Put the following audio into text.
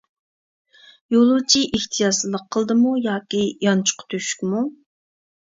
يولۇچى ئېھتىياتسىزلىق قىلدىمۇ، ياكى يانچۇقى تۆشۈكمۇ؟ !